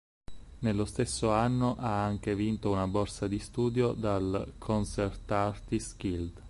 Nello stesso anno ha anche vinto una borsa di studio dal Concert Artists Guild.